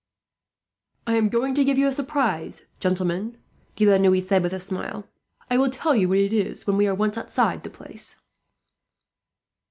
"I am going to give you a surprise, gentlemen," De la Noue said, with a smile. "I will tell you what it is when we are once outside the place."